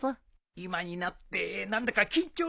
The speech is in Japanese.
今になって何だか緊張してきたぞ。